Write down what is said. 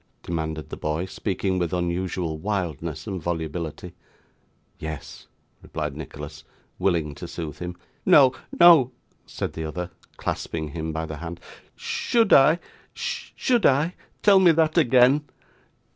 demanded the boy, speaking with unusual wildness and volubility. 'Yes,' replied Nicholas, willing to soothe him. 'No, no!' said the other, clasping him by the hand. 'Should I should I tell me that again.